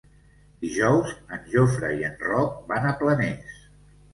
Dijous en Jofre i en Roc van a Planes.